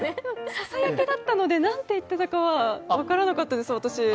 ささやきだったので、何て言っていたか分からなかったです、私。